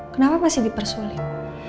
kenapa masih dipersulit